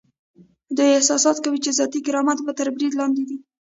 دوی احساس کوي چې ذاتي کرامت یې تر برید لاندې دی.